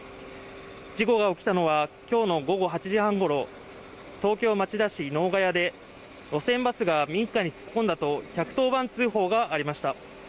事故が起きたのは今日の午後８時半ごろ東京・町田市能ヶ谷で路線バスが民家に突っ込んだと１１０番通報がありました。